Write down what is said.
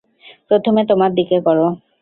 প্রথমে তোমার দিকে করো।